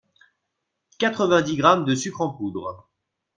quatre-vingt dix grammes de sucre en poudre